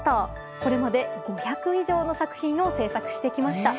これまで５００以上の作品を制作してきました。